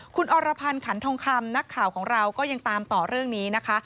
คุณอรพันธ์ขันทองคำนักข่าวของเราก็ยังตามต่อเรื่องนี้นะคะ